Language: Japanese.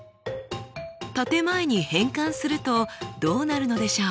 建て前に変換するとどうなるのでしょう？